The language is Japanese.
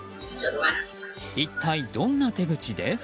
一体、どんな手口で？